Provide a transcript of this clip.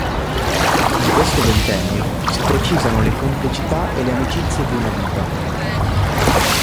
In questo ventennio si precisano le complicità e le amicizie di una vita.